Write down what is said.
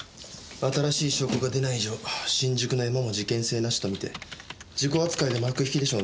新しい証拠が出ない以上新宿のヤマも事件性なしと見て事故扱いで幕引きでしょうね。